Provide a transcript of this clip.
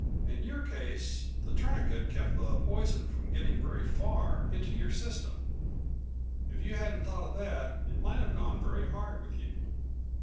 In your case the tourniquet kept the poison from getting very far into your system. If you hadn't thought of that it might have gone very hard with you."